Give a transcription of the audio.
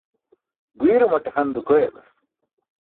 Guirumaṭe han dukoyalas.